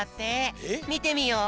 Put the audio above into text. みてみよう。